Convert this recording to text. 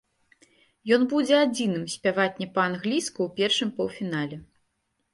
Ён будзе адзіным спяваць не па-англійску ў першым паўфінале.